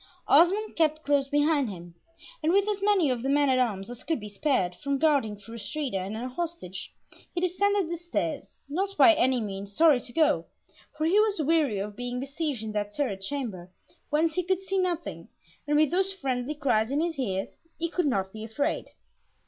Osmond kept close behind him, and with as many of the men at arms as could be spared from guarding Fru Astrida and her hostage, he descended the stairs, not by any means sorry to go, for he was weary of being besieged in that turret chamber, whence he could see nothing, and with those friendly cries in his ears, he could not be afraid.